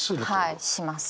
はいします。